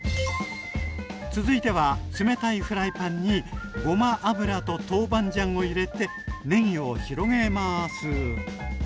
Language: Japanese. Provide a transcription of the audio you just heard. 続いては冷たいフライパンにごま油と豆板醤を入れてねぎを広げます。